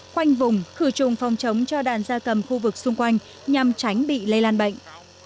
khoanh vùng khử trùng phòng chống cho đàn gia cầm khu vực xung quanh nhằm tránh bị lây lan bệnh